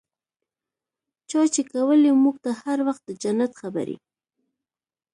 چا چې کولې موږ ته هر وخت د جنت خبرې.